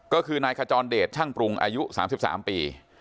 ก็คือนายขจรเดชช่างปรุงอายุ๓๓ปี